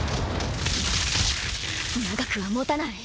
長くはもたない。